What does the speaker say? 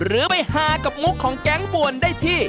หรือไปฮากับมุกของแก๊งป่วนได้ที่